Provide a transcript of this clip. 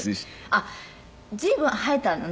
あっ随分生えたのね。